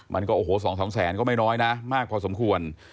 มันก็โอ้โห๒๓แสนก็ไม่น้อยนะมากพอสมควร